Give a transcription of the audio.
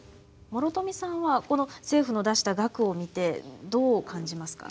諸富さんは政府の出した額を見てどう感じますか？